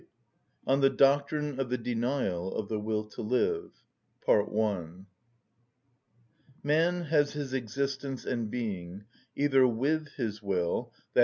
(44) On The Doctrine Of The Denial Of The Will To Live. Man has his existence and being either with his will, _i.